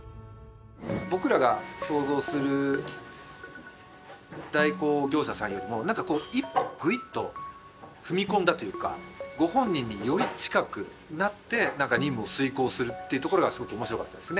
僕らが想像する代行業者さんよりも一歩グイっと踏み込んだというかご本人により近くなって任務を遂行するっていうところがすごく面白かったですね。